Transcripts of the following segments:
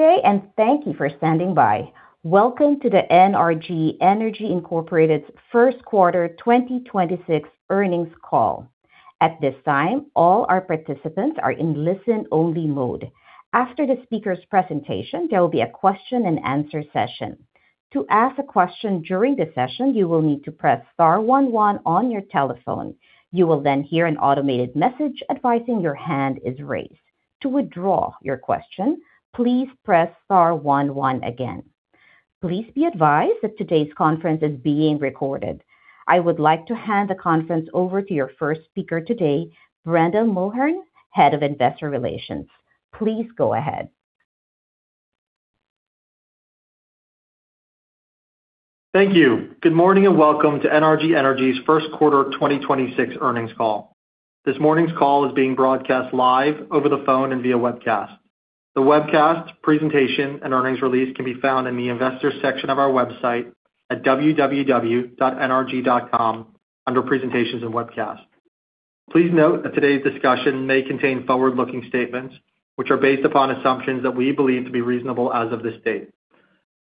Okay, thank you for standing by. Welcome to the NRG Energy, Inc.'s first quarter 2026 earnings call. I would like to hand the conference over to your first speaker today, Brendan Mulhern, Head of Investor Relations. Please go ahead. Thank you. Good morning. Welcome to NRG Energy's first quarter 2026 earnings call. This morning's call is being broadcast live over the phone and via webcast. The webcast presentation and earnings release can be found in the Investors section of our website at www.nrg.com under Presentations and Webcasts. Please note that today's discussion may contain forward-looking statements, which are based upon assumptions that we believe to be reasonable as of this date.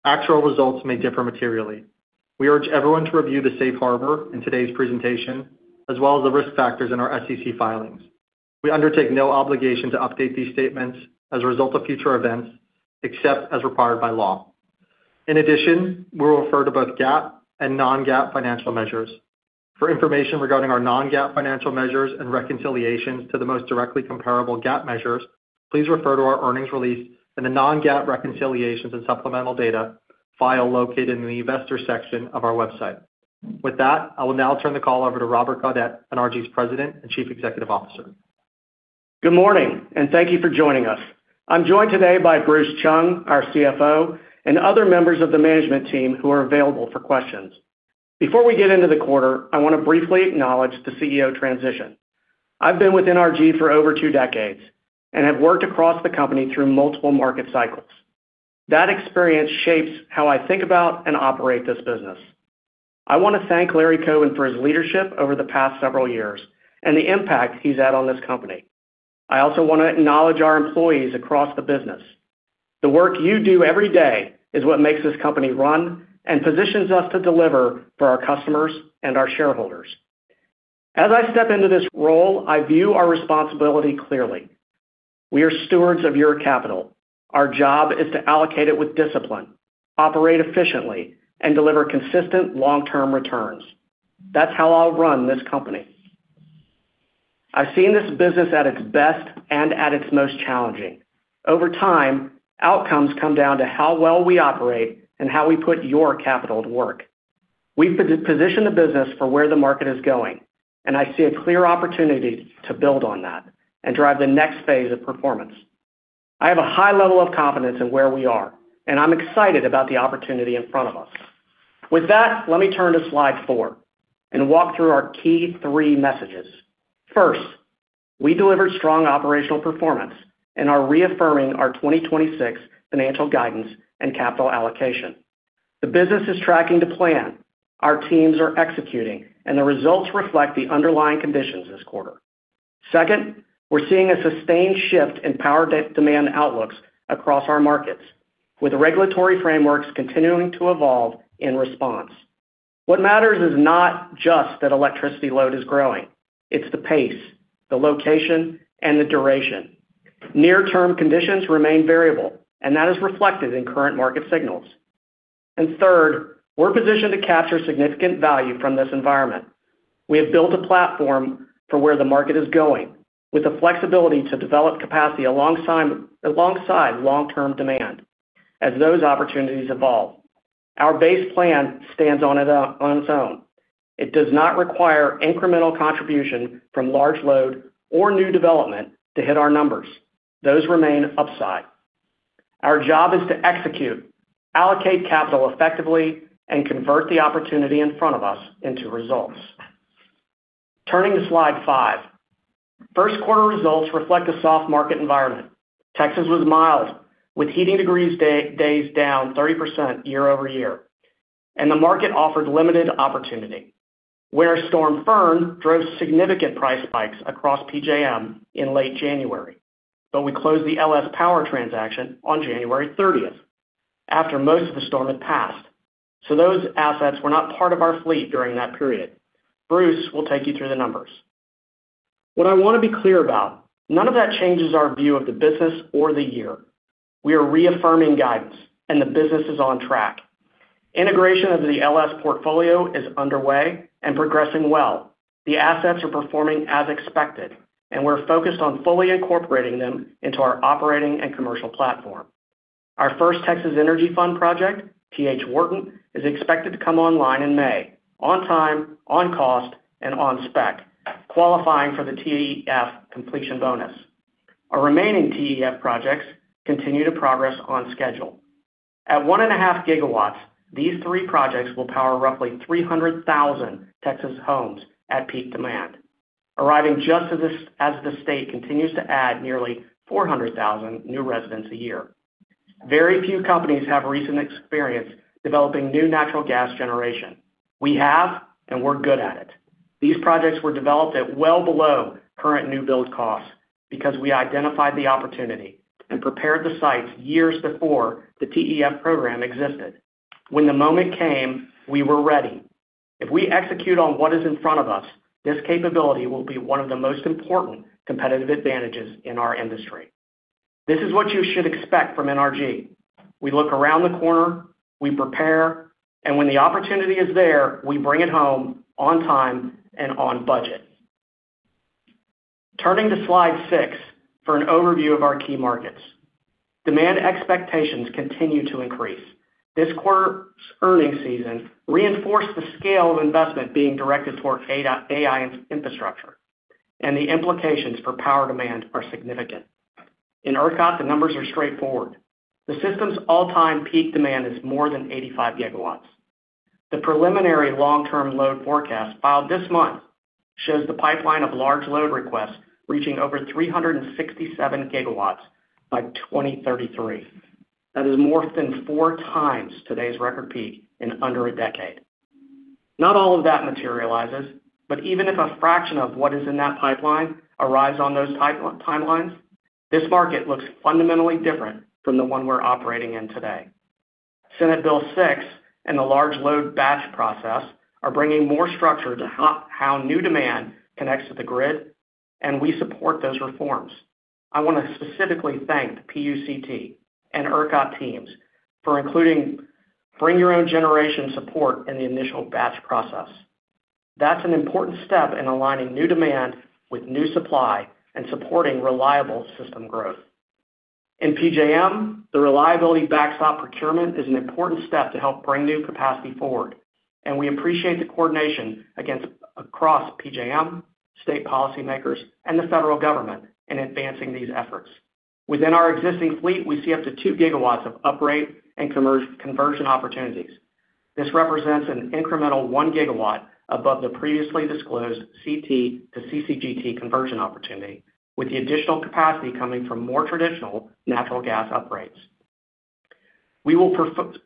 Actual results may differ materially. We urge everyone to review the safe harbor in today's presentation, as well as the risk factors in our SEC filings. We undertake no obligation to update these statements as a result of future events, except as required by law. In addition, we'll refer to both GAAP and non-GAAP financial measures. For information regarding our non-GAAP financial measures and reconciliations to the most directly comparable GAAP measures, please refer to our earnings release and the non-GAAP reconciliations and supplemental data file located in the Investor section of our website. With that, I will now turn the call over to Robert Gaudette, NRG's President and Chief Executive Officer. Good morning, and thank you for joining us. I'm joined today by Bruce Chung, our CFO, and other members of the management team who are available for questions. Before we get into the quarter, I want to briefly acknowledge the CEO transition. I've been with NRG for over two decades and have worked across the company through multiple market cycles. That experience shapes how I think about and operate this business. I want to thank Larry Coben for his leadership over the past several years and the impact he's had on this company. I also want to acknowledge our employees across the business. The work you do every day is what makes this company run and positions us to deliver for our customers and our shareholders. As I step into this role, I view our responsibility clearly. We are stewards of your capital. Our job is to allocate it with discipline, operate efficiently, and deliver consistent long-term returns. That's how I'll run this company. I've seen this business at its best and at its most challenging. Over time, outcomes come down to how well we operate and how we put your capital to work. We've positioned the business for where the market is going, and I see a clear opportunity to build on that and drive the next phase of performance. I have a high level of confidence in where we are, and I'm excited about the opportunity in front of us. With that, let me turn to slide four and walk through our key three messages. First, we delivered strong operational performance and are reaffirming our 2026 financial guidance and capital allocation. The business is tracking to plan. Our teams are executing, and the results reflect the underlying conditions this quarter. Second, we're seeing a sustained shift in power demand outlooks across our markets, with regulatory frameworks continuing to evolve in response. What matters is not just that electricity load is growing, it's the pace, the location, and the duration. Near-term conditions remain variable, that is reflected in current market signals. Third, we're positioned to capture significant value from this environment. We have built a platform for where the market is going, with the flexibility to develop capacity alongside long-term demand as those opportunities evolve. Our base plan stands on its own. It does not require incremental contribution from large load or new development to hit our numbers. Those remain upside. Our job is to execute, allocate capital effectively, and convert the opportunity in front of us into results. Turning to slide five. First quarter results reflect a soft market environment. Texas was mild, with heating degree days down 30% year-over-year, and the market offered limited opportunity. Where Winter Storm Fern drove significant price spikes across PJM in late January, but we closed the LS Power transaction on January 30th, after most of the storm had passed. Those assets were not part of our fleet during that period. Bruce will take you through the numbers. What I want to be clear about, none of that changes our view of the business or the year. We are reaffirming guidance, and the business is on track. Integration of the LS portfolio is underway and progressing well. The assets are performing as expected, and we're focused on fully incorporating them into our operating and commercial platform. Our first Texas Energy Fund project, T.H. Wharton, is expected to come online in May, on time, on cost, and on spec, qualifying for the TEF completion bonus. Our remaining TEF projects continue to progress on schedule. At 1.5 GW, these three projects will power roughly 300,000 Texas homes at peak demand, arriving just as the state continues to add nearly 400,000 new residents a year. Very few companies have recent experience developing new natural gas generation. We have, and we're good at it. These projects were developed at well below current new build costs because we identified the opportunity and prepared the sites years before the TEF program existed. When the moment came, we were ready. If we execute on what is in front of us, this capability will be one of the most important competitive advantages in our industry. This is what you should expect from NRG. We look around the corner, we prepare, and when the opportunity is there, we bring it home on time and on budget. Turning to slide six for an overview of our key markets. Demand expectations continue to increase. This quarter's earnings season reinforced the scale of investment being directed toward AI infrastructure, and the implications for power demand are significant. In ERCOT, the numbers are straightforward. The system's all-time peak demand is more than 85 GW. The preliminary long-term load forecast filed this month shows the pipeline of large load requests reaching over 367 GW by 2033. That is more than four times today's record peak in under a decade. Not all of that materializes, but even if a fraction of what is in that pipeline arrives on those timelines, this market looks fundamentally different from the one we're operating in today. Senate Bill 6 and the Large Load Batch Process are bringing more structure to how new demand connects to the grid. We support those reforms. I want to specifically thank the PUCT and ERCOT teams for including Bring Your Own Generation support in the initial batch process. That's an important step in aligning new demand with new supply and supporting reliable system growth. In PJM, the Reliability Backstop Procurement is an important step to help bring new capacity forward. We appreciate the coordination across PJM, state policymakers, and the federal government in advancing these efforts. Within our existing fleet, we see up to 2 GW of upgrade and conversion opportunities. This represents an incremental 1 GW above the previously disclosed CT to CCGT conversion opportunity, with the additional capacity coming from more traditional natural gas upgrades. We will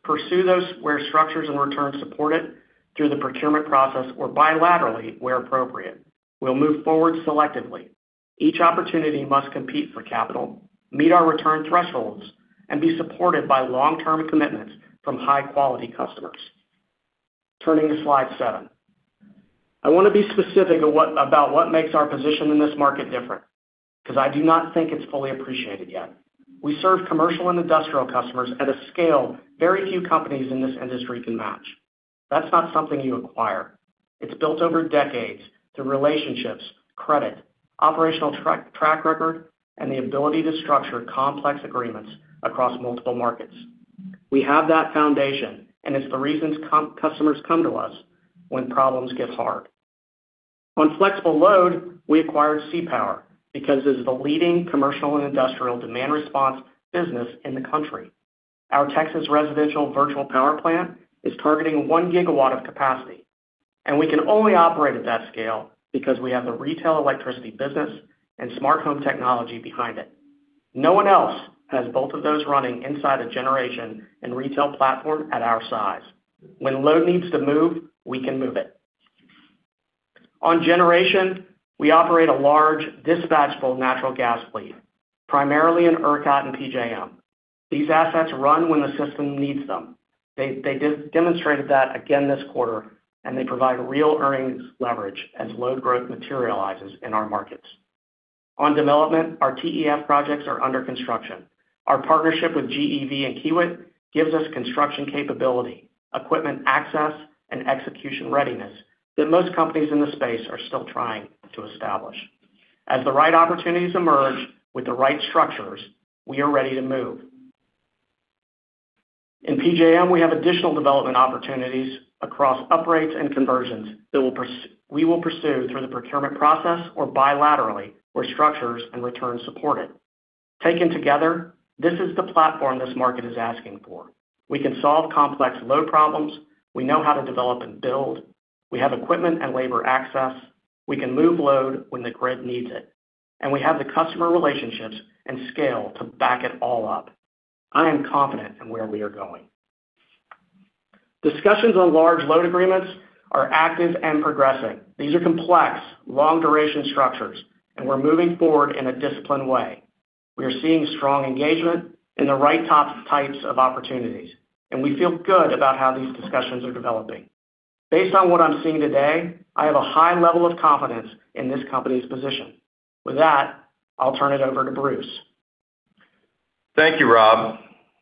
pursue those where structures and returns support it through the procurement process or bilaterally where appropriate. We'll move forward selectively. Each opportunity must compete for capital, meet our return thresholds, and be supported by long-term commitments from high-quality customers. Turning to slide seven. I want to be specific about what makes our position in this market different, because I do not think it's fully appreciated yet. We serve commercial and industrial customers at a scale very few companies in this industry can match. That's not something you acquire. It's built over decades through relationships, credit, operational track record, and the ability to structure complex agreements across multiple markets. We have that foundation, and it's the reasons customers come to us when problems get hard. On flexible load, we acquired CPower because it is the leading commercial and industrial demand response business in the country. Our Texas residential virtual power plant is targeting 1 GW of capacity, and we can only operate at that scale because we have the retail electricity business and Smart Home technology behind it. No one else has both of those running inside a generation and retail platform at our size. When load needs to move, we can move it. On generation, we operate a large dispatchable natural gas fleet, primarily in ERCOT and PJM. These assets run when the system needs them. They demonstrated that again this quarter, and they provide real earnings leverage as load growth materializes in our markets. On development, our TEF projects are under construction. Our partnership with GEV and Kiewit gives us construction capability, equipment access, and execution readiness that most companies in this space are still trying to establish. As the right opportunities emerge with the right structures, we are ready to move. In PJM, we have additional development opportunities across upgrades and conversions that we will pursue through the procurement process or bilaterally, where structures and returns support it. Taken together, this is the platform this market is asking for. We can solve complex load problems. We know how to develop and build. We have equipment and labor access. We can move load when the grid needs it, and we have the customer relationships and scale to back it all up. I am confident in where we are going. Discussions on large load agreements are active and progressing. These are complex, long-duration structures, and we're moving forward in a disciplined way. We are seeing strong engagement in the right types of opportunities, and we feel good about how these discussions are developing. Based on what I'm seeing today, I have a high level of confidence in this company's position. With that, I'll turn it over to Bruce. Thank you, Rob.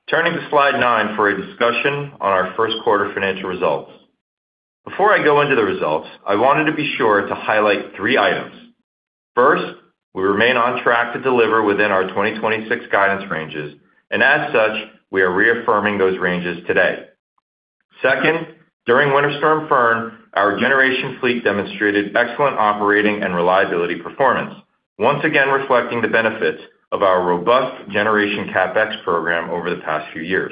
Turning to slide nine for a discussion on our first quarter financial results. Before I go into the results, I wanted to be sure to highlight three items. First, we remain on track to deliver within our 2026 guidance ranges. As such, we are reaffirming those ranges today. Second, during Winter Storm Fern, our generation fleet demonstrated excellent operating and reliability performance, once again reflecting the benefits of our robust generation CapEx program over the past few years.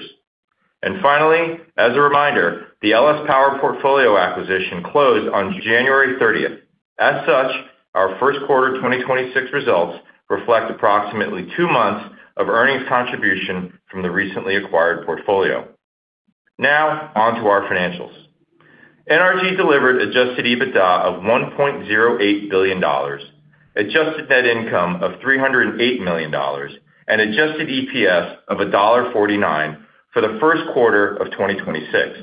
Finally, as a reminder, the LS Power portfolio acquisition closed on January 30th. As such, our first quarter 2026 results reflect approximately two months of earnings contribution from the recently acquired portfolio. Now on to our financials. NRG delivered adjusted EBITDA of $1.08 billion, adjusted net income of $308 million, and adjusted EPS of $1.49 for the first quarter of 2026.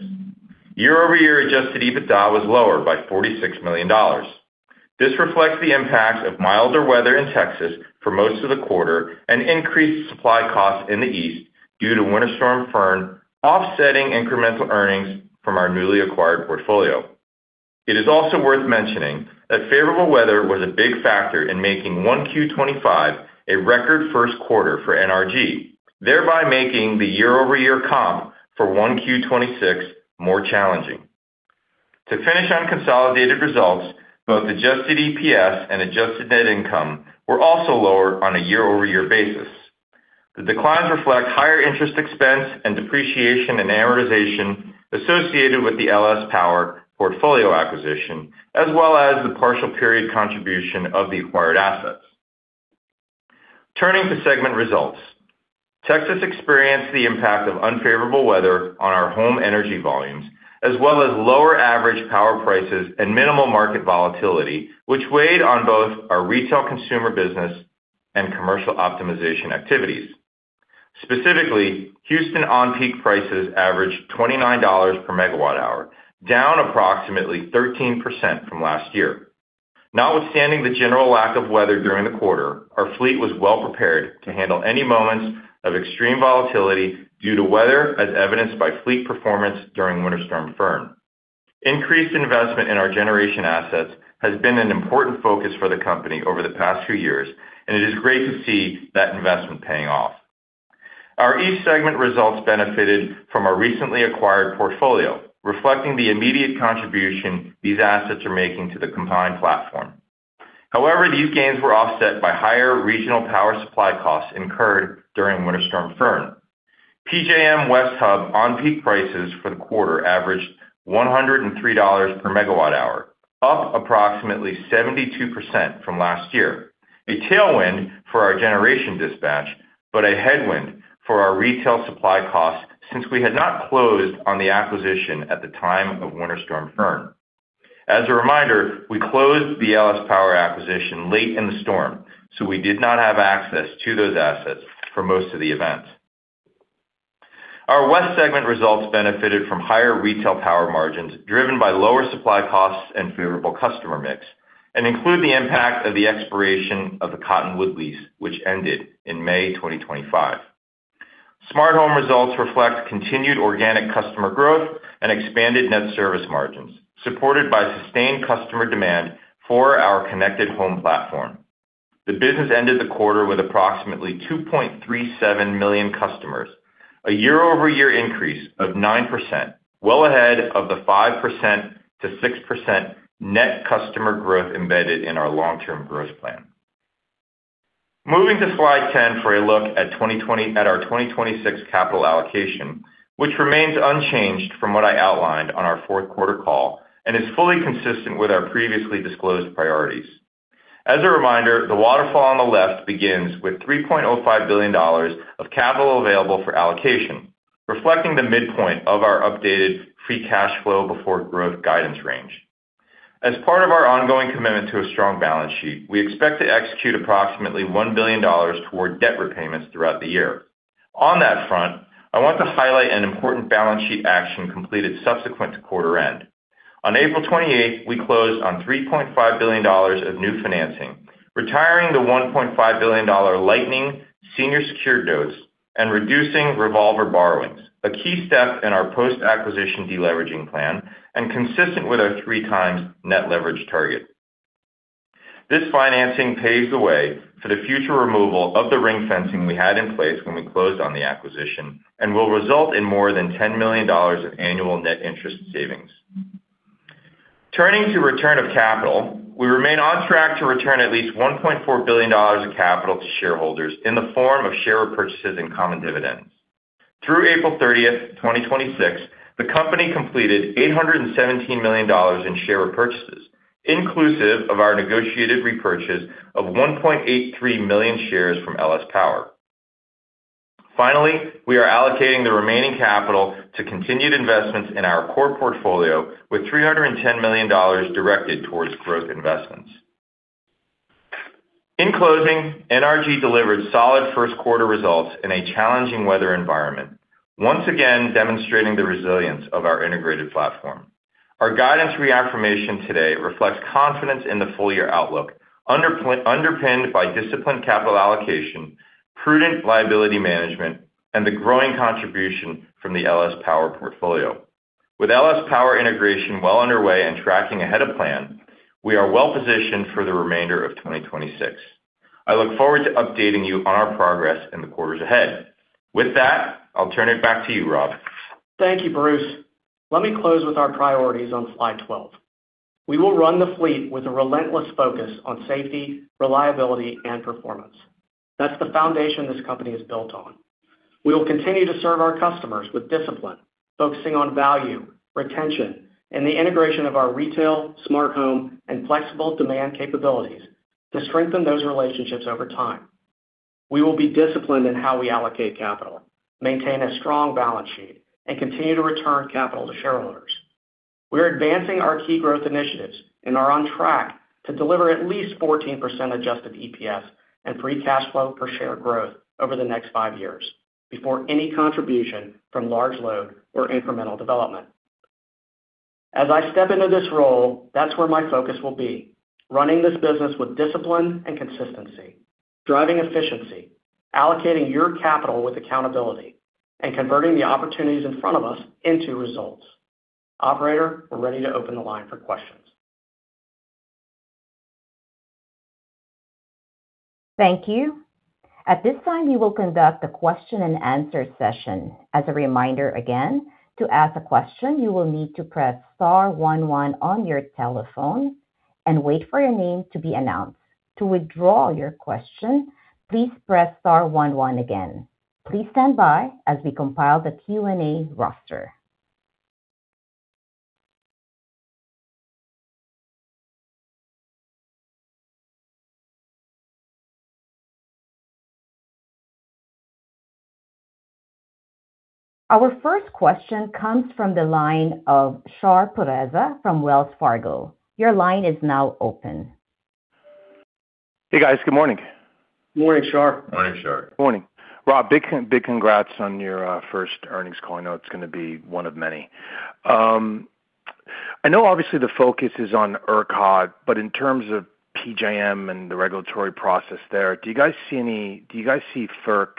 Year-over-year adjusted EBITDA was lower by $46 million. This reflects the impact of milder weather in Texas for most of the quarter and increased supply costs in the East due to Winter Storm Fern offsetting incremental earnings from our newly acquired portfolio. It is also worth mentioning that favorable weather was a big factor in making 1Q 2025 a record first quarter for NRG, thereby making the year-over-year comp for 1Q 2026 more challenging. To finish on consolidated results, both adjusted EPS and adjusted net income were also lower on a year-over-year basis. The declines reflect higher interest expense and depreciation and amortization associated with the LS Power portfolio acquisition, as well as the partial period contribution of the acquired assets. Turning to segment results. Texas experienced the impact of unfavorable weather on our home energy volumes, as well as lower average power prices and minimal market volatility, which weighed on both our retail consumer business and commercial optimization activities. Specifically, Houston on-peak prices averaged $29 per MWh, down approximately 13% from last year. Notwithstanding the general lack of weather during the quarter, our fleet was well prepared to handle any moments of extreme volatility due to weather, as evidenced by fleet performance during Winter Storm Fern. Increased investment in our generation assets has been an important focus for the company over the past few years, and it is great to see that investment paying off. Our East segment results benefited from a recently acquired portfolio, reflecting the immediate contribution these assets are making to the combined platform. These gains were offset by higher regional power supply costs incurred during Winter Storm Fern. PJM West Hub on-peak prices for the quarter averaged $103 per MWh, up approximately 72% from last year. A tailwind for our generation dispatch, but a headwind for our retail supply costs since we had not closed on the acquisition at the time of Winter Storm Fern. As a reminder, we closed the LS Power acquisition late in the storm, so we did not have access to those assets for most of the event. Our West Segment results benefited from higher retail power margins driven by lower supply costs and favorable customer mix and include the impact of the expiration of the Cottonwood lease, which ended in May 2025. Smart Home results reflect continued organic customer growth and expanded net service margins, supported by sustained customer demand for our connected home platform. The business ended the quarter with approximately 2.37 million customers, a year-over-year increase of 9%, well ahead of the 5%-6% net customer growth embedded in our long-term growth plan. Moving to slide 10 for a look at our 2026 capital allocation, which remains unchanged from what I outlined on our fourth quarter call and is fully consistent with our previously disclosed priorities. As a reminder, the waterfall on the left begins with $3.05 billion of capital available for allocation, reflecting the midpoint of our updated free cash flow before growth guidance range. As part of our ongoing commitment to a strong balance sheet, we expect to execute approximately $1 billion toward debt repayments throughout the year. On that front, I want to highlight an important balance sheet action completed subsequent to quarter end. On April 28, we closed on $3.5 billion of new financing, retiring the $1.5 billion Lightning Power, LLC senior secured notes and reducing revolver borrowings, a key step in our post-acquisition deleveraging plan and consistent with our 3x net leverage target. This financing paves the way for the future removal of the ring fencing we had in place when we closed on the acquisition and will result in more than $10 million of annual net interest savings. Turning to return of capital, we remain on track to return at least $1.4 billion of capital to shareholders in the form of share repurchases and common dividends. Through April 30th, 2026, the company completed $817 million in share repurchases, inclusive of our negotiated repurchase of 1.83 million shares from LS Power. We are allocating the remaining capital to continued investments in our core portfolio with $310 million directed towards growth investments. In closing, NRG delivered solid first quarter results in a challenging weather environment, once again demonstrating the resilience of our integrated platform. Our guidance reaffirmation today reflects confidence in the full year outlook, underpinned by disciplined capital allocation, prudent liability management, and the growing contribution from the LS Power portfolio. With LS Power integration well underway and tracking ahead of plan, we are well positioned for the remainder of 2026. I look forward to updating you on our progress in the quarters ahead. With that, I'll turn it back to you, Rob. Thank you, Bruce. Let me close with our priorities on slide 12. We will run the fleet with a relentless focus on safety, reliability, and performance. That's the foundation this company is built on. We will continue to serve our customers with discipline, focusing on value, retention, and the integration of our retail, Smart Home, and flexible demand capabilities to strengthen those relationships over time. We will be disciplined in how we allocate capital, maintain a strong balance sheet, and continue to return capital to shareholders. We're advancing our key growth initiatives and are on track to deliver at least 14% adjusted EPS and free cash flow per share growth over the next five years before any contribution from large load or incremental development. As I step into this role, that's where my focus will be, running this business with discipline and consistency, driving efficiency, allocating your capital with accountability, and converting the opportunities in front of us into results. Operator, we're ready to open the line for questions. Thank you. At this time, we will conduct a question and answer session. As a reminder again, to ask a question, you will need to press star one one on your telephone and wait for your name to be announced. To withdraw your question, please press star one one again. Please stand by as we compile the Q&A roster. Our first question comes from the line of Shahriar Pourreza from Wells Fargo. Your line is now open. Hey, guys. Good morning. Morning, Shar. Morning, Shar. Morning. Rob, big congrats on your first earnings call. I know it's gonna be one of many. I know obviously the focus is on ERCOT, but in terms of PJM and the regulatory process there, do you guys see FERC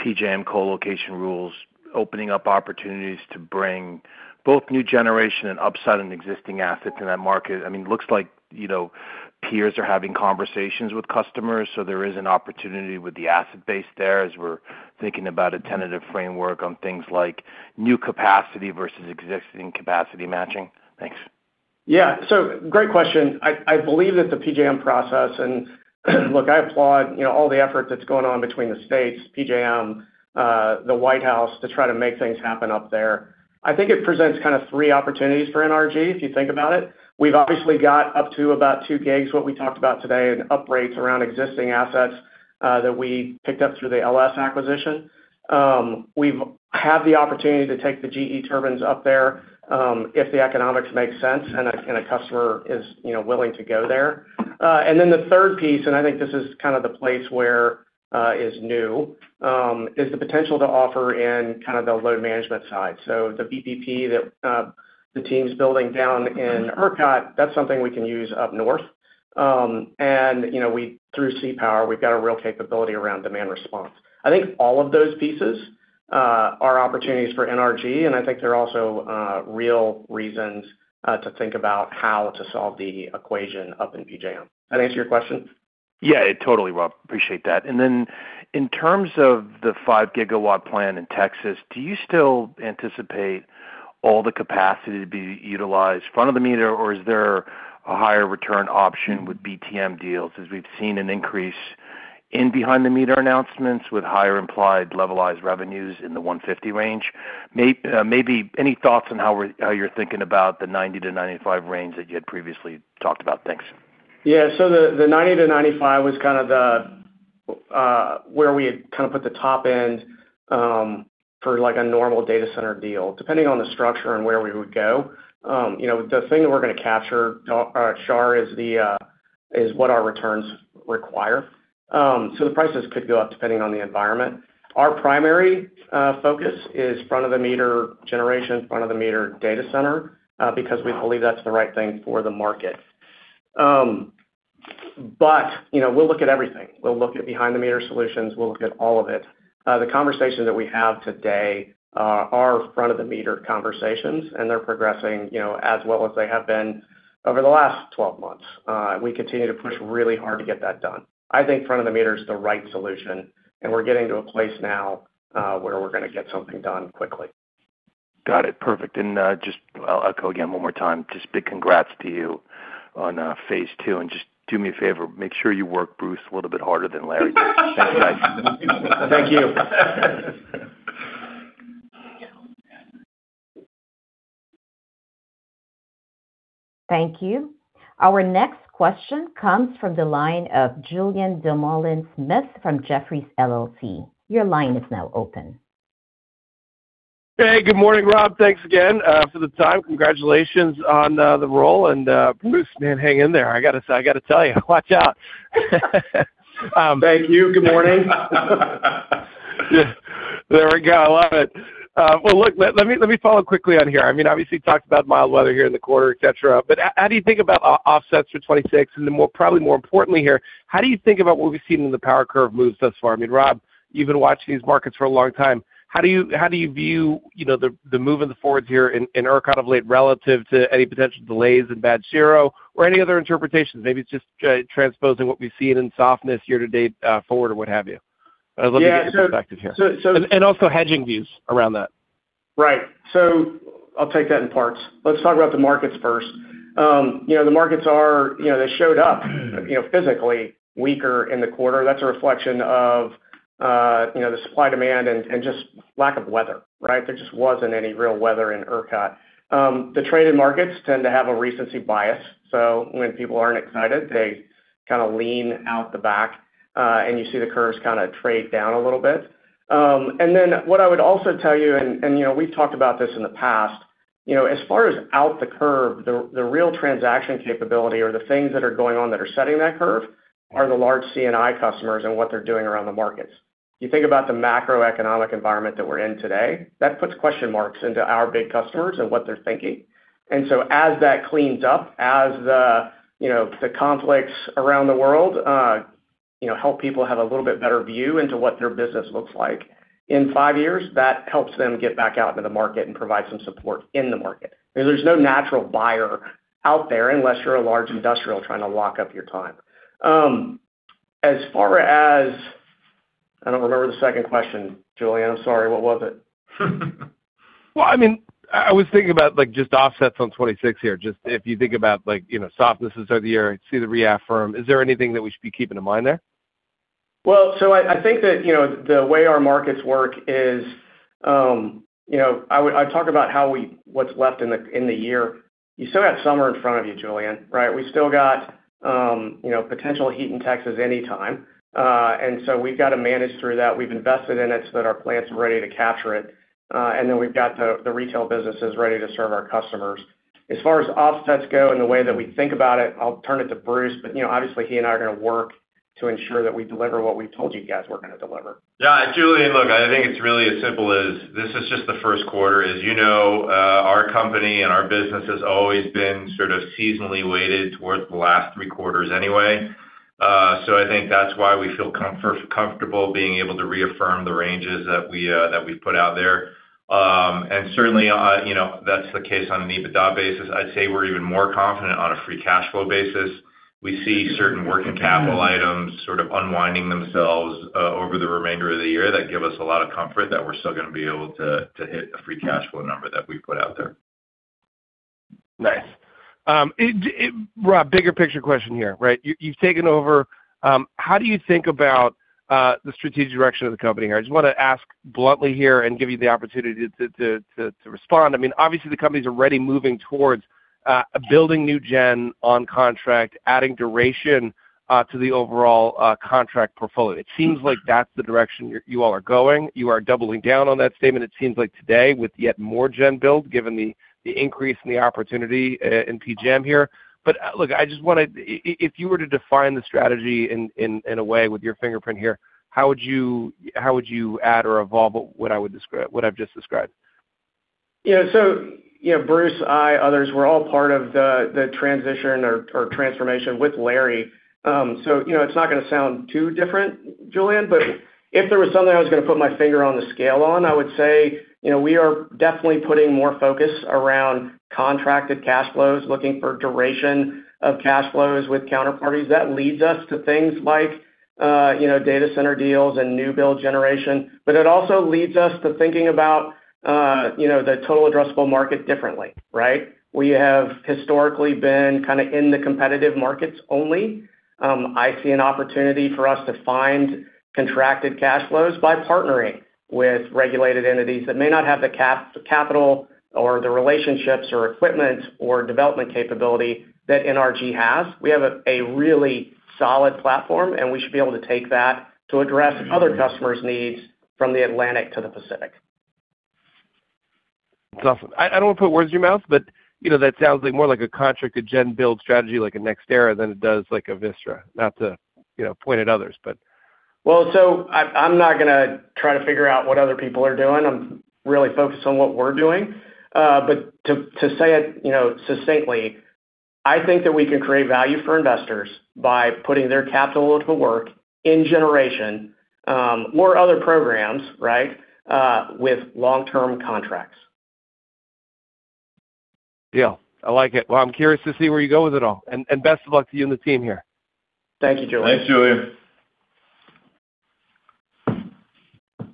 PJM colocation rules opening up opportunities to bring both new generation and upside in existing assets in that market? I mean, looks like, you know, peers are having conversations with customers, so there is an opportunity with the asset base there as we're thinking about a tentative framework on things like new capacity versus existing capacity matching. Thanks. Yeah. Great question. I believe that the PJM process and, look, I applaud, you know, all the effort that's going on between the states, PJM, the White House to try to make things happen up there. I think it presents kind of three opportunities for NRG if you think about it. We've obviously got up to about 2 GW, what we talked about today, in upgrades around existing assets that we picked up through the LS acquisition. We've have the opportunity to take the GE turbines up there, if the economics make sense and a customer is, you know, willing to go there. And then the third piece, and I think this is kind of the place where is new, is the potential to offer in kind of the load management side. The VPP that the team's building down in ERCOT, that's something we can use up north. You know, through CPower, we've got a real capability around demand response. I think all of those pieces are opportunities for NRG, and I think they're also real reasons to think about how to solve the equation up in PJM. That answer your questions? Yeah, it totally will. Appreciate that. In terms of the 5 GW plan in Texas, do you still anticipate all the capacity to be utilized front-of-the-meter, or is there a higher return option with BTM deals as we've seen an increase in behind-the-meter announcements with higher implied levelized revenues in the $150 range? Maybe any thoughts on how you're thinking about the $90-$95 range that you had previously talked about? Thanks. Yeah. The $90-$95 was kind of the, where we had kind of put the top end, for, like, a normal data center deal, depending on the structure and where we would go. You know, the thing that we're gonna capture, Shar, is what our returns require. The prices could go up depending on the environment. Our primary focus is front-of-the-meter generation, front-of-the-meter data center, because we believe that's the right thing for the market. You know, we'll look at everything. We'll look at behind-the-meter solutions. We'll look at all of it. The conversations that we have today, are front-of-the-meter conversations, and they're progressing, you know, as well as they have been over the last 12 months. We continue to push really hard to get that done. I think front-of-the-meter is the right solution. We're getting to a place now, where we're going to get something done quickly. Got it. Perfect. Just I'll echo again one more time, just big congrats to you on phase two. Just do me a favor, make sure you work Bruce a little bit harder than Larry. Sounds nice. Thank you. Thank you. Our next question comes from the line of Julien Dumoulin-Smith from Jefferies LLC. Your line is now open. Hey. Good morning, Rob. Thanks again for the time. Congratulations on the role. Bruce, man, hang in there. I gotta tell you, watch out. Thank you. Good morning. There we go. I love it. Look, let me follow up quickly on here. I mean, obviously you talked about mild weather here in the quarter, et cetera. How do you think about offsets for 2026? Then probably more importantly here, how do you think about what we've seen in the power curve moves thus far? I mean, Robert Gaudette, you've been watching these markets for a long time. How do you view, you know, the movement forwards here in ERCOT of late relative to any potential delays in Batch 0 or any other interpretations? Maybe it's just transposing what we've seen in softness year to date forward or what have you. I'd love to get your perspective here. Yeah. Also hedging views around that. Right. I'll take that in parts. Let's talk about the markets first. You know, the markets are, you know, they showed up, you know, physically weaker in the quarter. That's a reflection of, you know, the supply-demand and just lack of weather, right? There just wasn't any real weather in ERCOT. The traded markets tend to have a recency bias, so when people aren't excited, they kind of lean out the back, and you see the curves kind of trade down a little bit. What I would also tell you, and you know, we've talked about this in the past, you know, as far as out the curve, the real transaction capability or the things that are going on that are setting that curve are the large C&I customers and what they're doing around the markets. You think about the macroeconomic environment that we're in today, that puts question marks into our big customers and what they're thinking. As that cleans up, as the, you know, the conflicts around the world, you know, help people have a little bit better view into what their business looks like in five years, that helps them get back out into the market and provide some support in the market. There's no natural buyer out there unless you're a large industrial trying to lock up your time. I don't remember the second question, Julien, I'm sorry. What was it? Well, I mean, I was thinking about, like, just offsets on 2026 here. If you think about like, you know, softnesses of the year and see the reaffirm, is there anything that we should be keeping in mind there? I think that, you know, the way our markets work is, you know, I talk about what's left in the year. You still got summer in front of you, Julien, right? We still got, you know, potential heat in Texas anytime. We've got to manage through that. We've invested in it so that our plants are ready to capture it. We've got the retail businesses ready to serve our customers. As far as offsets go and the way that we think about it, I'll turn it to Bruce, you know, obviously he and I are gonna work to ensure that we deliver what we told you guys we're gonna deliver. Yeah. Julien, look, I think it's really as simple as this is just the first quarter. As you know, our company and our business has always been sort of seasonally weighted towards the last three quarters anyway. I think that's why we feel comfortable being able to reaffirm the ranges that we, that we put out there. Certainly, you know, that's the case on an EBITDA basis. I'd say we're even more confident on a free cash flow basis. We see certain working capital items sort of unwinding themselves over the remainder of the year that give us a lot of comfort that we're still gonna be able to hit a free cash flow number that we put out there. Nice. Rob, bigger picture question here, right? You've taken over, how do you think about the strategic direction of the company here? I just wanna ask bluntly here and give you the opportunity to respond. I mean, obviously the company's already moving towards building new gen on contract, adding duration to the overall contract portfolio. It seems like that's the direction you all are going. You are doubling down on that statement, it seems like today with yet more gen build, given the increase in the opportunity in PJM here. Look, if you were to define the strategy in a way with your fingerprint here, how would you add or evolve what I've just described? You know, Bruce, I, others, we're all part of the transition or transformation with Larry. You know, it's not gonna sound too different, Julien, but if there was something I was gonna put my finger on the scale on, I would say, you know, we are definitely putting more focus around contracted cash flows, looking for duration of cash flows with counterparties. That leads us to things like, you know, data center deals and new build generation, but it also leads us to thinking about, you know, the total addressable market differently, right? We have historically been kind of in the competitive markets only. I see an opportunity for us to find contracted cash flows by partnering with regulated entities that may not have the capital or the relationships or equipment or development capability that NRG has. We have a really solid platform, and we should be able to take that to address other customers' needs from the Atlantic to the Pacific. That's awesome. I don't wanna put words in your mouth, you know, that sounds like more like a contracted gen build strategy like a NextEra than it does like a Vistra. Not to, you know, point at others. I'm not gonna try to figure out what other people are doing. I'm really focused on what we're doing. To say it, you know, succinctly, I think that we can create value for investors by putting their capital to work in generation, or other programs, right, with long-term contracts. Yeah, I like it. Well, I'm curious to see where you go with it all. Best of luck to you and the team here. Thank you, Julien. Thanks, Julien.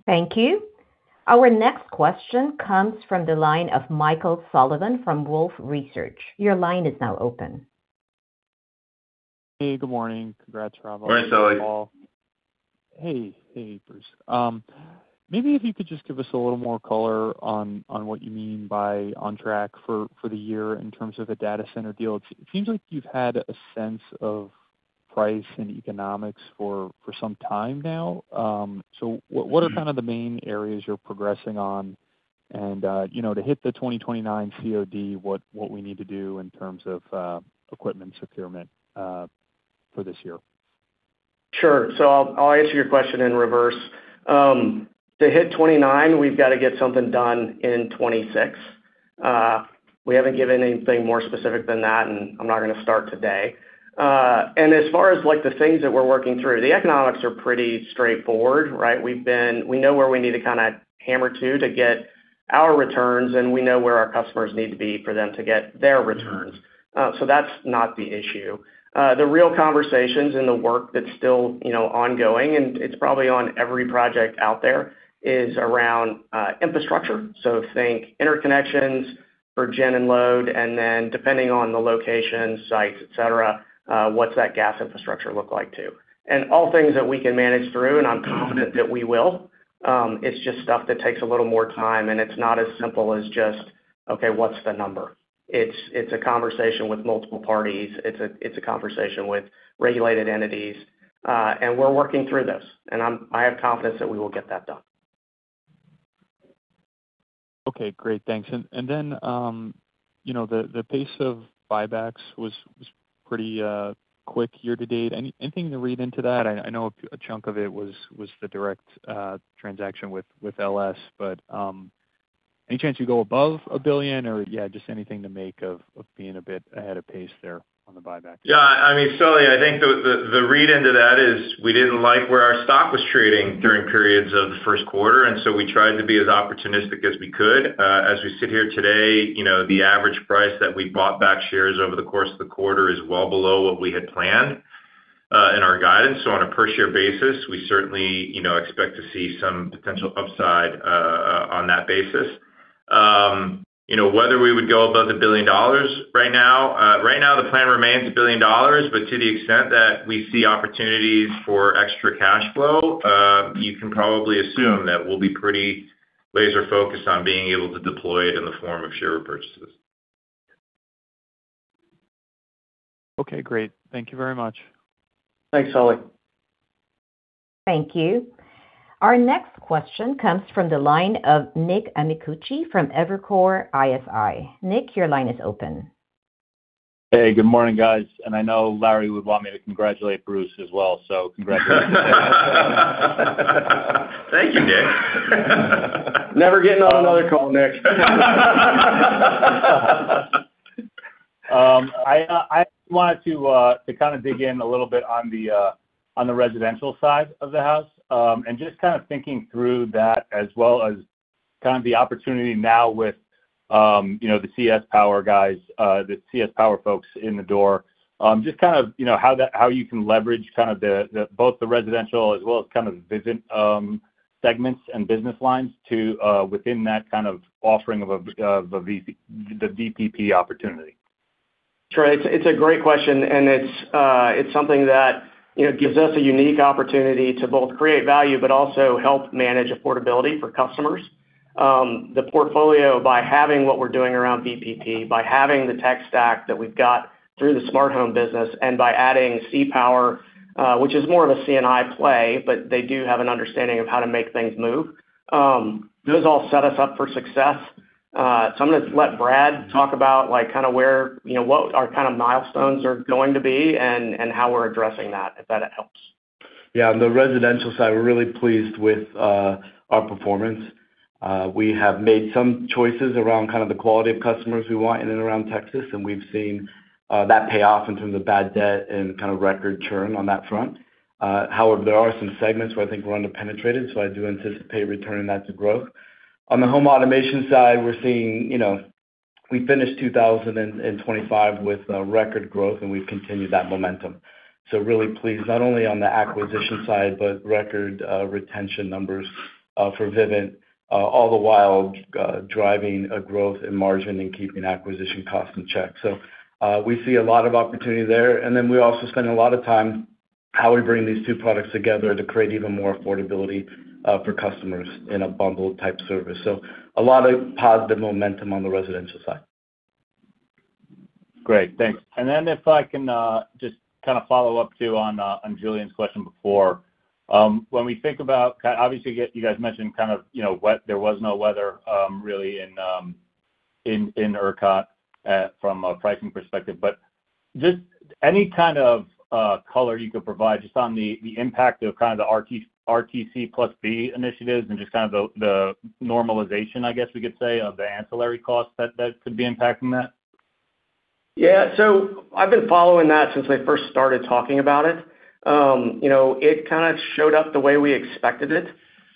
Thank you. Our next question comes from the line of Michael Sullivan from Wolfe Research. Your line is now open. Hey, good morning. Congrats, Rob. Hi, Sully. Hey. Hey, Bruce. Maybe if you could just give us a little more color on what you mean by on track for the year in terms of the data center deal. It seems like you've had a sense of price and economics for some time now. What are kind of the main areas you're progressing on and, you know, to hit the 2029 COD, what we need to do in terms of equipment procurement for this year? Sure. I'll answer your question in reverse. To hit 2029, we've got to get something done in 2026. We haven't given anything more specific than that, and I'm not gonna start today. As far as, like, the things that we're working through, the economics are pretty straightforward, right? We know where we need to kinda hammer to get our returns, and we know where our customers need to be for them to get their returns. That's not the issue. The real conversations and the work that's still, you know, ongoing, and it's probably on every project out there, is around infrastructure. Think interconnections for gen and load, and then depending on the location, sites, et cetera, what's that gas infrastructure look like too? All things that we can manage through, and I'm confident that we will. It's just stuff that takes a little more time, and it's not as simple as just, okay, what's the number? It's a conversation with multiple parties. It's a conversation with regulated entities. We're working through this, and I have confidence that we will get that done. Okay. Great. Thanks. Then, you know, the pace of buybacks was pretty quick year to date. Anything to read into that? I know a chunk of it was the direct transaction with LS, but any chance you go above $1 billion or, yeah, just anything to make of being a bit ahead of pace there on the buyback? I mean, Sully, I think the read into that is we didn't like where our stock was trading during periods of the first quarter. We tried to be as opportunistic as we could. As we sit here today, you know, the average price that we bought back shares over the course of the quarter is well below what we had planned in our guidance. On a per share basis, we certainly, you know, expect to see some potential upside on that basis. You know, whether we would go above the $1 billion right now, right now the plan remains $1 billion. To the extent that we see opportunities for extra cash flow, you can probably assume that we'll be pretty laser focused on being able to deploy it in the form of share repurchases. Okay. Great. Thank you very much. Thanks, Sully. Thank you. Our next question comes from the line of Nicholas Amicucci from Evercore ISI. Nick, your line is open. Hey, good morning, guys. I know Larry would want me to congratulate Bruce as well, so congratulations. Thank you, Nick. Never getting on another call, Nick. I wanted to kind of dig in a little bit on the residential side of the house. Just kind of thinking through that as well as kind of the opportunity now with, you know, the CPower guys, the CPower folks in the door. Just kind of, you know, how you can leverage kind of both the residential as well as kind of Vivint, segments and business lines to within that kind of offering of a VPP opportunity. Sure. It's, it's a great question, and it's something that, you know, gives us a unique opportunity to both create value but also help manage affordability for customers. The portfolio, by having what we're doing around VPP, by having the tech stack that we've got through the Smart Home business and by adding CPower, which is more of a C&I play, but they do have an understanding of how to make things move, those all set us up for success. I'm gonna let Brad talk about like kind of where, you know, what our kind of milestones are going to be and how we're addressing that, if that helps. Yeah. On the residential side, we're really pleased with our performance. We have made some choices around kind of the quality of customers we want in and around Texas, and we've seen that pay off in terms of bad debt and kind of record churn on that front. However, there are some segments where I think we're under-penetrated, so I do anticipate returning that to growth. On the home automation side, we're seeing, you know, we finished 2025 with record growth, and we've continued that momentum. Really pleased, not only on the acquisition side, but record retention numbers for Vivint, all the while driving a growth in margin and keeping acquisition costs in check. We see a lot of opportunity there. We also spend a lot of time how we bring these two products together to create even more affordability for customers in a bundled type service. A lot of positive momentum on the residential side. Great. Thanks. If I can, just kind of follow up too on Julien's question before. When we think about, obviously, you guys mentioned kind of, you know, there was no weather really in ERCOT from a pricing perspective. Just any kind of color you could provide just on the impact of kind of the RTC initiatives and just kind of the normalization, I guess we could say, of the ancillary costs that could be impacting that? Yeah. I've been following that since they first started talking about it. you know, it kind of showed up the way we expected it.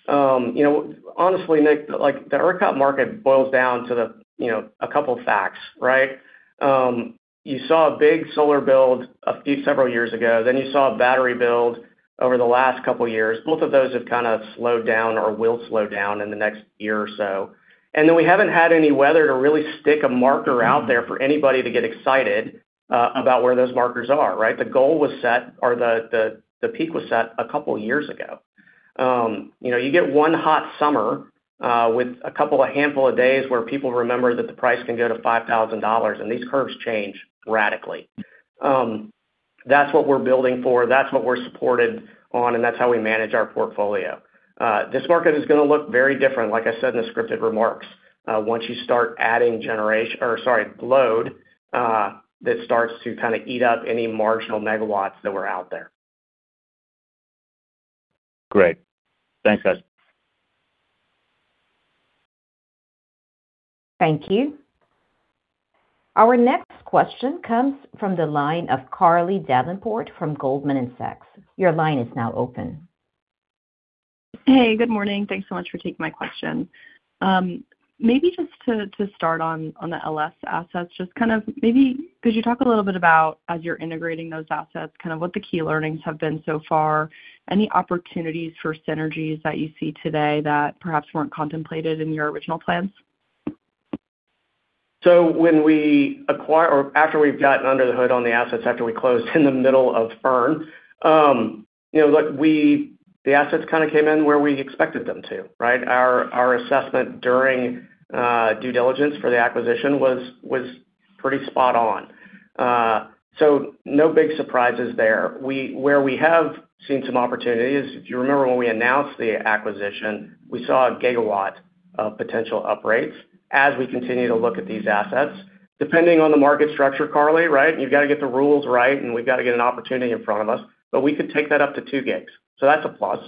you know, honestly, Nick, like the ERCOT market boils down to the, you know, a couple facts, right? You saw a big solar build a few several years ago, then you saw a battery build over the last couple years. Both of those have kind of slowed down or will slow down in the next year or so. We haven't had any weather to really stick a marker out there for anybody to get excited about where those markers are, right? The goal was set or the peak was set a couple years ago. You know, you get one hot summer, with a couple of handful of days where people remember that the price can go to $5,000, and these curves change radically. That's what we're building for, that's what we're supported on, and that's how we manage our portfolio. This market is gonna look very different, like I said in the scripted remarks, once you start adding generation-- or sorry, load, that starts to kind of eat up any marginal megawatts that were out there. Great. Thanks, guys. Thank you. Our next question comes from the line of Carly Davenport from Goldman Sachs. Your line is now open. Hey, good morning. Thanks so much for taking my question. Maybe just to start on the LS assets, could you talk a little bit about as you're integrating those assets, what the key learnings have been so far? Any opportunities for synergies that you see today that perhaps weren't contemplated in your original plans? When we've gotten under the hood on the assets after we closed in the middle of Fern, you know, look, the assets kind of came in where we expected them to, right. Our assessment during due diligence for the acquisition was pretty spot on. No big surprises there. Where we have seen some opportunities, if you remember when we announced the acquisition, we saw 1 GW of potential uprates as we continue to look at these assets. Depending on the market structure, Carly, right, you've got to get the rules right and we've got to get an opportunity in front of us, but we could take that up to 2 GW. That's a plus,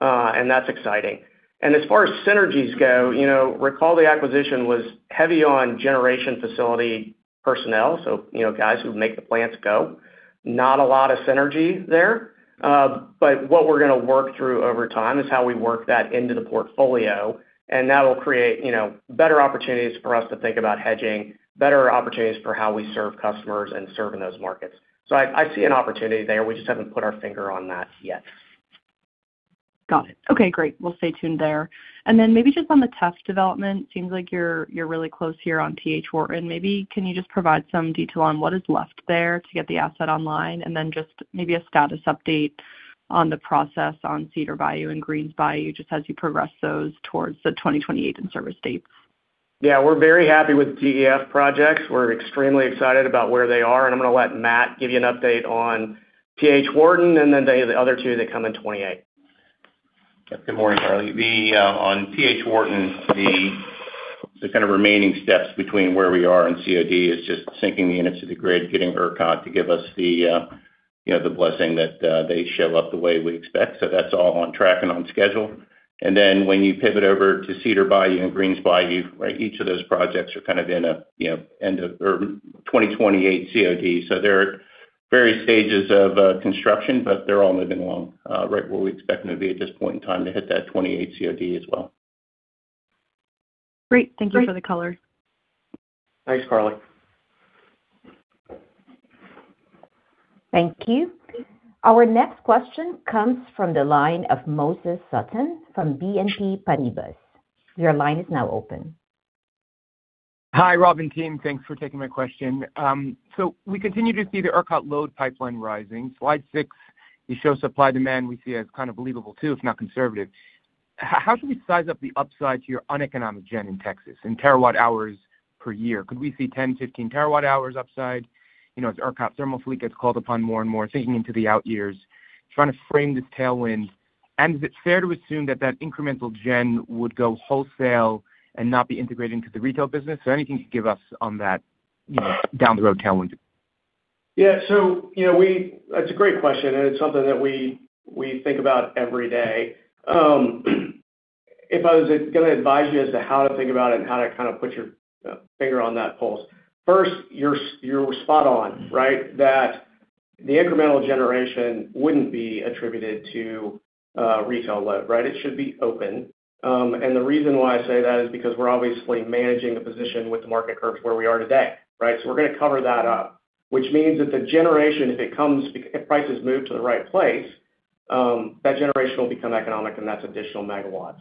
and that's exciting. As far as synergies go, you know, recall the acquisition was heavy on generation facility personnel, so you know, guys who make the plants go. Not a lot of synergy there. What we're gonna work through over time is how we work that into the portfolio, and that'll create, you know, better opportunities for us to think about hedging, better opportunities for how we serve customers and serve in those markets. I see an opportunity there. We just haven't put our finger on that yet. Got it. Okay, great. We'll stay tuned there. Maybe just on the TEF development, seems like you're really close here on T.H. Wharton. Maybe can you just provide some detail on what is left there to get the asset online? Just maybe a status update on the process on Cedar Bayou and Greens Bayou, just as you progress those towards the 2028 in-service dates. Yeah, we're very happy with TEF projects. We're extremely excited about where they are. I'm gonna let Matt give you an update on T.H. Wharton, and then the other two that come in 2028. Good morning, Carly. The on T.H. Wharton, the kind of remaining steps between where we are and COD is just syncing the units to the grid, getting ERCOT to give us the, you know, the blessing that they show up the way we expect. That's all on track and on schedule. When you pivot over to Cedar Bayou and Greens Bayou, right, each of those projects are kind of in a, you know, 2028 COD. They're at various stages of construction, but they're all moving along right where we expect them to be at this point in time to hit that 2028 COD as well. Great. Thank you for the color. Thanks, Carly. Thank you. Our next question comes from the line of Moses Sutton from BNP Paribas. Your line is now open. Hi, Rob and team. Thanks for taking my question. We continue to see the ERCOT load pipeline rising. Slide six, you show supply demand we see as kind of believable too, if not conservative. How should we size up the upside to your uneconomic gen in Texas in TWh per year? Could we see 10, 15 TWh upside? You know, as ERCOT thermal fleet gets called upon more and more thinking into the out years, trying to frame this tailwind. Is it fair to assume that that incremental gen would go wholesale and not be integrated into the retail business? Anything you could give us on that, you know, down the road tailwind. You know, that's a great question, and it's something that we think about every day. If I was gonna advise you as to how to think about it and how to kind of put your finger on that pulse, first, you're spot on, right? That the incremental generation wouldn't be attributed to retail load, right? It should be open. The reason why I say that is because we're obviously managing the position with the market curves where we are today, right? We're gonna cover that up. Which means that the generation, if prices move to the right place, that generation will become economic, that's additional megawatts.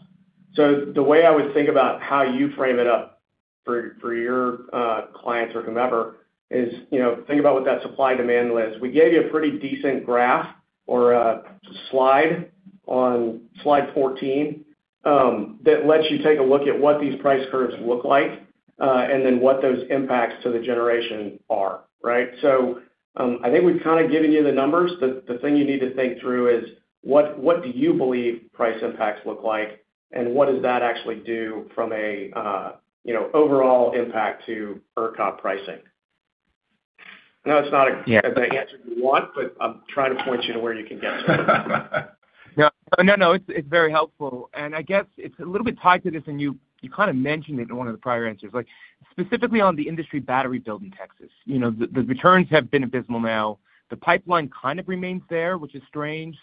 The way I would think about how you frame it up for your clients or whomever is, you know, think about what that supply-demand list. We gave you a pretty decent graph or a slide on slide 14 that lets you take a look at what these price curves look like, and then what those impacts to the generation are, right? I think we've kind of given you the numbers. The thing you need to think through is what do you believe price impacts look like and what does that actually do from a, you know, overall impact to ERCOT pricing? Yeah the answer you want, but I'm trying to point you to where you can get to. No, it's very helpful. I guess it's a little bit tied to this, and you kind of mentioned it in one of the prior answers. Like, specifically on the industry battery build in Texas, you know, the returns have been abysmal now. The pipeline kind of remains there, which is strange.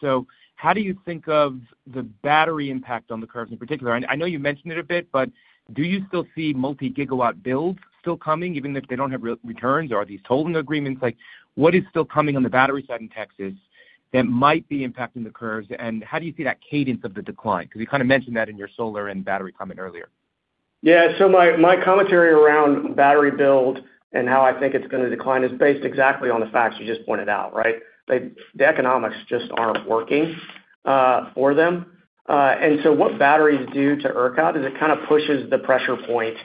How do you think of the battery impact on the curves in particular? I know you mentioned it a bit, but do you still see multi-gigawatt builds still coming, even if they don't have real returns? Are these holding agreements? Like, what is still coming on the battery side in Texas that might be impacting the curves? How do you see that cadence of the decline? Because you kind of mentioned that in your solar and battery comment earlier. My commentary around battery build and how I think it's gonna decline is based exactly on the facts you just pointed out, right? The economics just aren't working for them. What batteries do to ERCOT is it kind of pushes the pressure point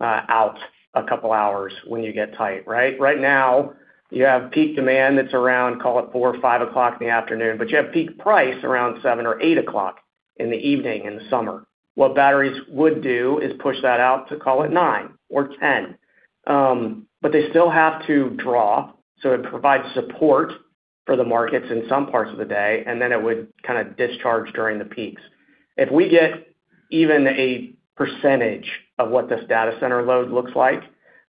out a couple hours when you get tight, right? Right now, you have peak demand that's around, call it four or five o'clock in the afternoon, but you have peak price around seven or eight o'clock in the evening in the summer. What batteries would do is push that out to, call it, nine or 10. They still have to draw, so it provides support for the markets in some parts of the day, and then it would kind of discharge during the peaks. If we get even a percentage of what this data center load looks like,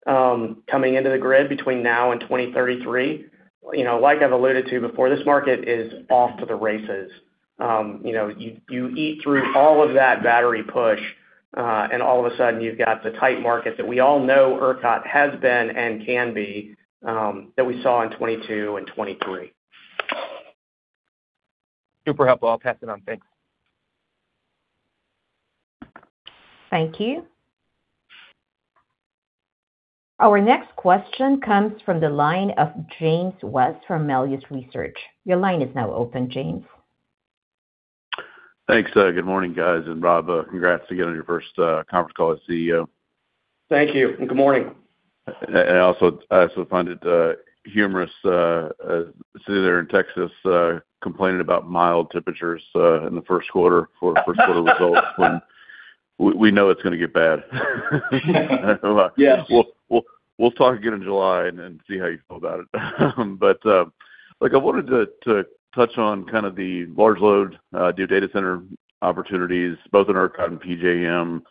coming into the grid between now and 2033, you know, like I've alluded to before, this market is off to the races. You know, you eat through all of that battery push, and all of a sudden you've got the tight market that we all know ERCOT has been and can be, that we saw in 2022 and 2023. Super helpful. I'll pass it on. Thanks. Thank you. Our next question comes from the line of James West from Melius Research. Your line is now open, James. Thanks. Good morning, guys. Rob, congrats again on your first conference call as CEO. Thank you, and good morning. I also find it humorous sitting there in Texas complaining about mild temperatures in the first quarter for first quarter results we know it's gonna get bad. Yeah. We'll talk again in July and see how you feel about it. Look, I wanted to touch on kind of the large load, new data center opportunities both in ERCOT and PJM.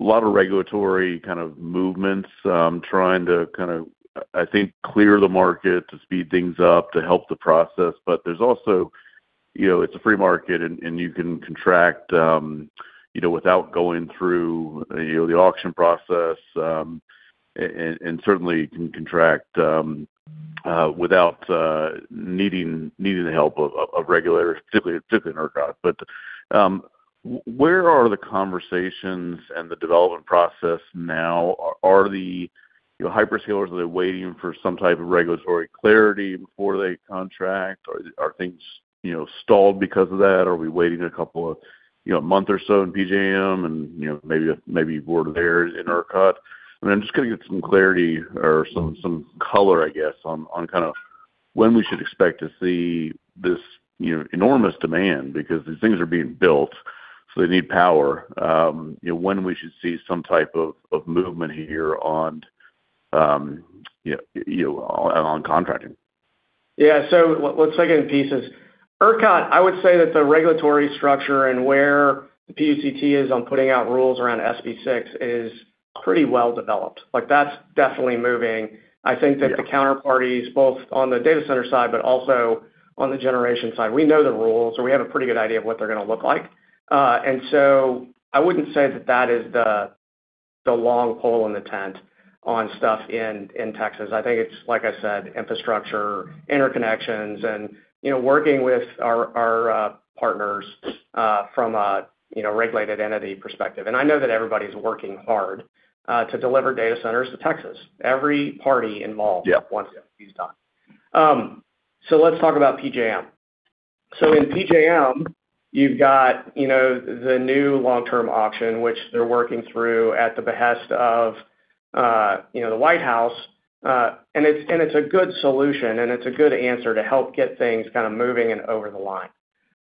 Lot of regulatory kind of movements, trying to, I think, clear the market to speed things up to help the process. There's also, you know, it's a free market and you can contract, you know, without going through, you know, the auction process. And certainly can contract without needing the help of regulators, typically in ERCOT. Where are the conversations and the development process now? Are the, you know, hyperscalers, are they waiting for some type of regulatory clarity before they contract? Are things, you know, stalled because of that? Are we waiting a couple of, you know, a month or so in PJM and, you know, maybe the board there is in ERCOT? I mean, I'm just gonna get some clarity or some color, I guess, on kind of when we should expect to see this, you know, enormous demand because these things are being built, so they need power. You know, when we should see some type of movement here on, you know, on contracting. Yeah. Let's take it in pieces. ERCOT, I would say that the regulatory structure and where the PUCT is on putting out rules around SB 6 is pretty well developed. Like, that's definitely moving. I think that the counterparties both on the data center side, but also on the generation side, we know the rules or we have a pretty good idea of what they're gonna look like. I wouldn't say that that is the long pole in the tent on stuff in Texas. I think it's, like I said, infrastructure, interconnections and, you know, working with our partners from a, you know, regulated entity perspective. I know that everybody's working hard to deliver data centers to Texas. Every party involved. Yeah wants it. It's done. Let's talk about PJM. In PJM, you've got, you know, the new long-term auction, which they're working through at the behest of, you know, the White House. It's a good solution, and it's a good answer to help get things kind of moving and over the line.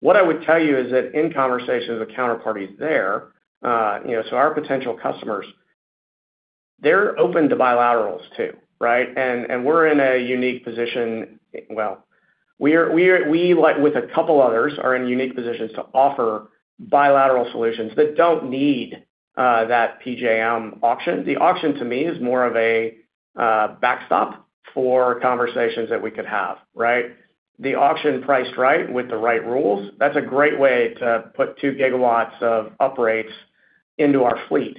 What I would tell you is that in conversations with counterparties there, you know, so our potential customers, they're open to bilaterals too, right? We're in a unique position, well, we, like with a couple others, are in unique positions to offer bilateral solutions that don't need that PJM auction. The auction to me is more of a backstop for conversations that we could have, right? The auction priced right with the right rules, that's a great way to put 2 GW of uprates into our fleet.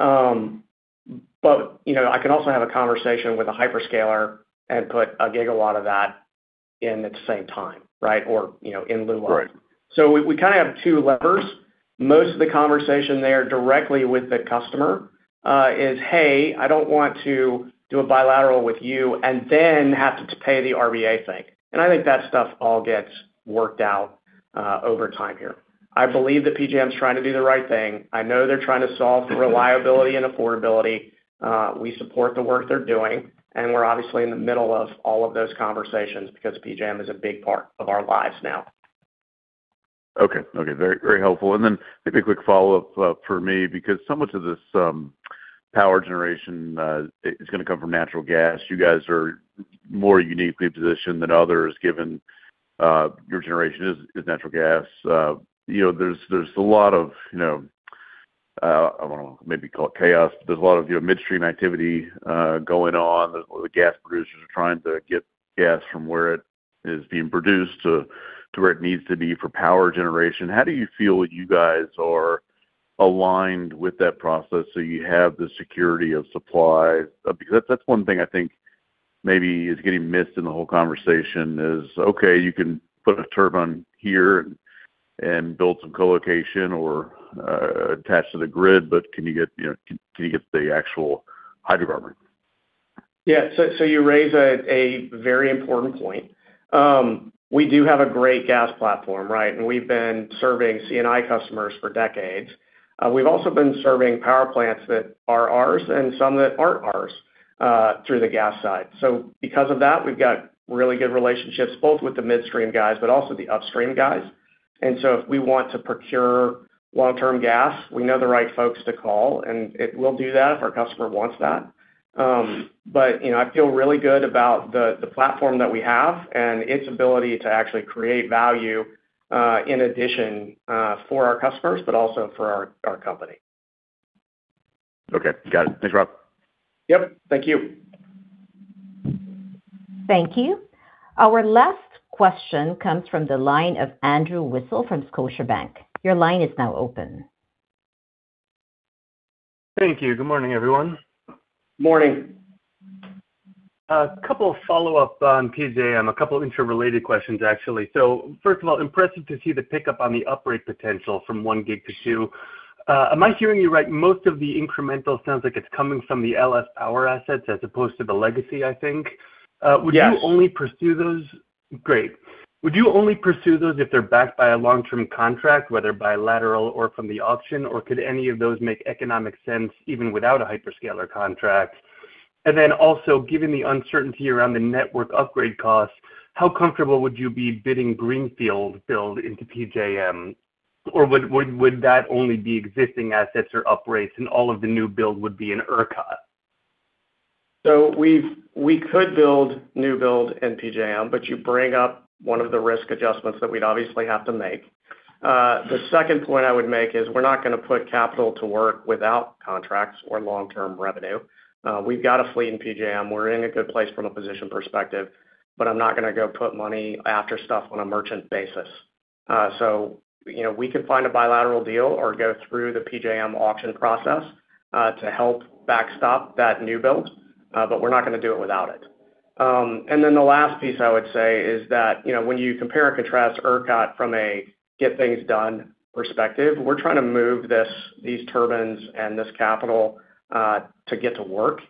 You know, I can also have a conversation with a hyperscaler and put 1 GW of that in at the same time, right. You know, in lieu of. Right. We kind of have two levers. Most of the conversation there directly with the customer is, "Hey, I don't want to do a bilateral with you and then have to pay the RPM thing." I think that stuff all gets worked out over time here. I believe that PJM's trying to do the right thing. I know they're trying to solve for reliability and affordability. We support the work they're doing, and we're obviously in the middle of all of those conversations because PJM is a big part of our lives now. Okay, very helpful. Maybe a quick follow-up for me because so much of this power generation is gonna come from natural gas. You guys are more uniquely positioned than others given your generation is natural gas. You know, there's a lot of, you know, I don't know, maybe call it chaos. There's a lot of, you know, midstream activity going on. The gas producers are trying to get gas from where it is being produced to where it needs to be for power generation. How do you feel you guys are aligned with that process, you have the security of supply? That's one thing I think maybe is getting missed in the whole conversation is, okay, you can put a turbine here and build some colocation or attach to the grid, but can you get, you know, can you get the actual hydrocarbon? You raise a very important point. We do have a great gas platform, right? We've been serving C&I customers for decades. We've also been serving power plants that are ours and some that aren't ours through the gas side. Because of that, we've got really good relationships both with the midstream guys but also the upstream guys. If we want to procure long-term gas, we know the right folks to call, and we'll do that if our customer wants that. You know, I feel really good about the platform that we have and its ability to actually create value in addition for our customers, but also for our company. Okay. Got it. Thanks, Rob. Yep. Thank you. Thank you. Our last question comes from the line of Andrew Weisel from Scotiabank. Thank you. Good morning, everyone. Morning. A couple of follow-up on PJM, a couple interrelated questions, actually. First of all, impressive to see the pickup on the uprate potential from 1 GW to 2 GW. Am I hearing you right? Most of the incremental sounds like it's coming from the LS Power assets as opposed to the legacy, I think. Yes. Would you only pursue those? Great. Would you only pursue those if they're backed by a long-term contract, whether bilateral or from the auction? Could any of those make economic sense even without a hyperscaler contract? Given the uncertainty around the network upgrade costs, how comfortable would you be bidding greenfield build into PJM? Would that only be existing assets or upgrades and all of the new build would be in ERCOT? We could build new build in PJM, but you bring up one of the risk adjustments that we'd obviously have to make. The second point I would make is we're not gonna put capital to work without contracts or long-term revenue. We've got a fleet in PJM. We're in a good place from a position perspective, but I'm not gonna go put money after stuff on a merchant basis. You know, we could find a bilateral deal or go through the PJM auction process to help backstop that new build, but we're not gonna do it without it. The last piece I would say is that, you know, when you compare and contrast ERCOT from a get things done perspective, we're trying to move this, these turbines and this capital to get to work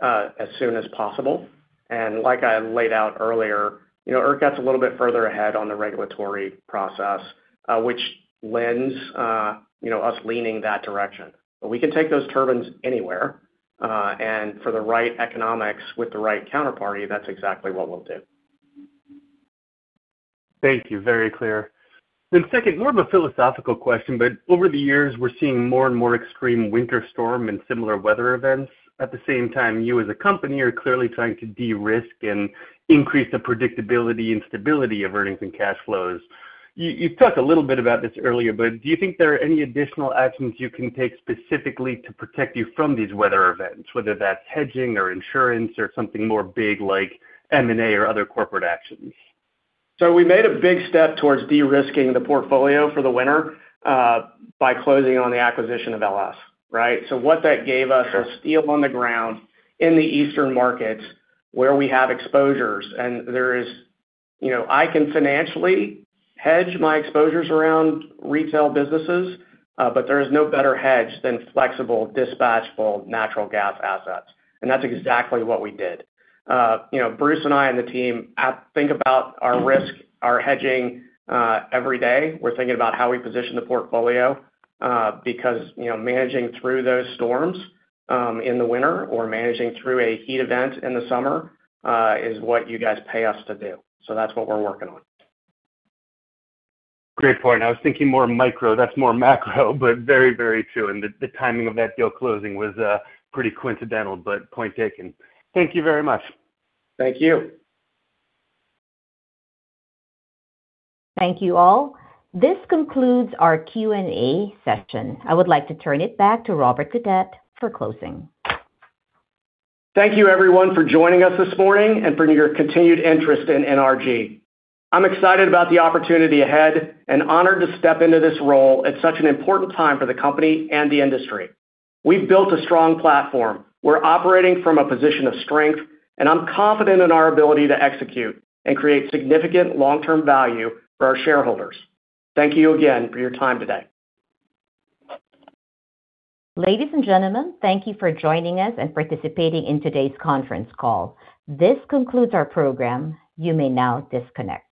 as soon as possible. Like I laid out earlier, you know, ERCOT's a little bit further ahead on the regulatory process, which lends, you know, us leaning that direction. We can take those turbines anywhere, and for the right economics with the right counterparty, that's exactly what we'll do. Thank you. Very clear. Second, more of a philosophical question, over the years, we're seeing more and more extreme winter storm and similar weather events. At the same time, you as a company are clearly trying to de-risk and increase the predictability and stability of earnings and cash flows. You've talked a little bit about this earlier, do you think there are any additional actions you can take specifically to protect you from these weather events, whether that's hedging or insurance or something more big like M&A or other corporate actions? We made a big step towards de-risking the portfolio for the winter by closing on the acquisition of LS, right? What that gave us is steel on the ground in the eastern markets where we have exposures. There is, you know, I can financially hedge my exposures around retail businesses, but there is no better hedge than flexible dispatchable natural gas assets. That's exactly what we did. You know, Bruce and I and the team think about our risk, our hedging every day. We're thinking about how we position the portfolio because, you know, managing through those storms in the winter or managing through a heat event in the summer is what you guys pay us to do. That's what we're working on. Great point. I was thinking more micro, that's more macro, but very, very true. The timing of that deal closing was pretty coincidental, but point taken. Thank you very much. Thank you. Thank you, all. This concludes our Q&A session. I would like to turn it back to Robert Gaudette for closing. Thank you, everyone, for joining us this morning and for your continued interest in NRG. I'm excited about the opportunity ahead and honored to step into this role at such an important time for the company and the industry. We've built a strong platform. We're operating from a position of strength, and I'm confident in our ability to execute and create significant long-term value for our shareholders. Thank you again for your time today. Ladies and gentlemen, thank you for joining us and participating in today's conference call. This concludes our program. You may now disconnect.